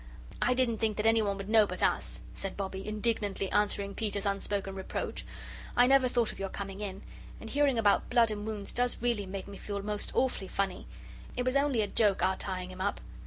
"I didn't think that anyone would know but us," said Bobbie, indignantly answering Peter's unspoken reproach. "I never thought of your coming in. And hearing about blood and wounds does really make me feel most awfully funny. It was only a joke our tying him up.